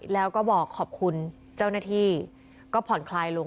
แล้วก็บอกขอบคุณเจ้าหน้าที่ก็ผ่อนคลายลง